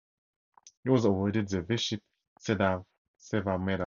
He was awarded the Vishisht Seva Medal during this tenure.